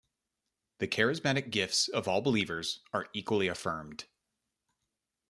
The charismatic gifts of all believers are equally affirmed.